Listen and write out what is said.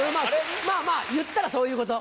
まぁまぁ言ったらそういうこと。